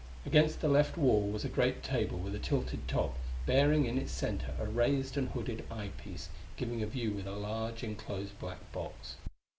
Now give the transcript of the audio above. Against the left wall was a great table with a tilted top, bearing, in its center, a raised and hooded eyepiece giving a view into a large, enclosed black box.